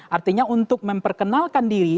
artinya untuk memperkenalkan diri